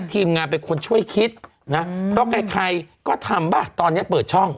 ทีมงานเป็นคนช่วยคิดนะเพราะใครก็ทำป่ะตอนนี้เปิดช่อง